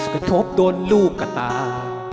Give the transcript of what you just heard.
กระทบโดนลูกกระตา